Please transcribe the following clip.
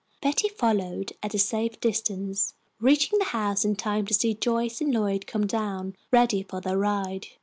Betty followed at a safe distance, reaching the house in time to see Joyce and Lloyd come down, ready for their ride.